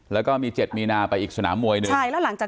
แล้วก็มี๗มีนาไปอีกสนามมวยหนึ่ง